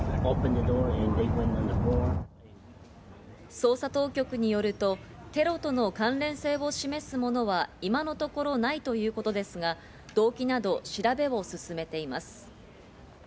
捜査当局によると、テロとの関連性を示すものは今のところないということですが、動機など調べを進めています。